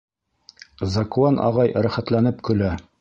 Закуан ағай рәхәтләнеп көлә.